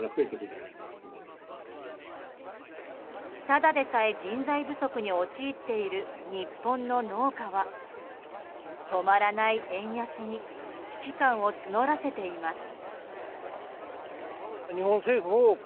ただでさえ、人材不足に陥っている日本の農家は止まらない円安に危機感を募らせています。